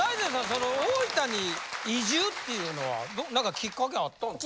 その大分に移住っていうのは何かきっかけあったんですか？